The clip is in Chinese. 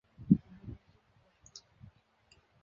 要塞外的莫卧尔大篷车道亦建于这一时期。